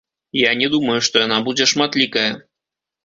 Я не думаю, што яна будзе шматлікая.